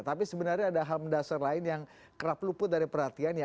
tapi sebenarnya ada hal mendasar lain yang kerap luput dari perhatian ya